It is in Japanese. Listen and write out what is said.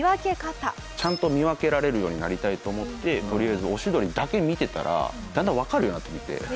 ちゃんと見分けられるようになりたいと思ってとりあえずオシドリだけ見てたらだんだんわかるようになってきて。